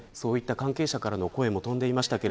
そういった関係者からの声も飛んでいましたが